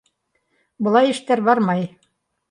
Былай эштәр бармай.